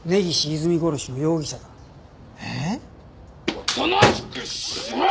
おとなしくしろ！